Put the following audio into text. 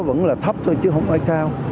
vẫn là thấp thôi chứ không phải cao